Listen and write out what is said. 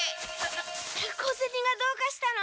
小ゼニがどうかしたの？